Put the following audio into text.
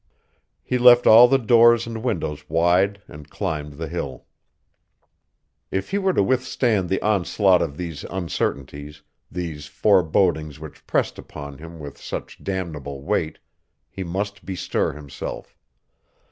He left all the doors and windows wide and climbed the hill. If he were to withstand the onslaught of these uncertainties, these forebodings which pressed upon him with such damnable weight, he must bestir himself.